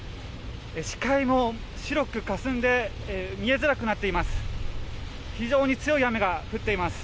視界も白くかすんで見えづらくなっています。